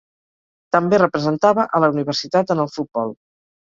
També representava a la universitat en el futbol.